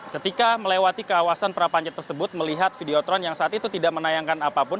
ketika melewati kawasan prapancat tersebut melihat videotron yang saat itu tidak menayangkan apapun